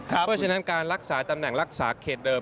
เพราะฉะนั้นการรักษาตำแหน่งรักษาเขตเดิม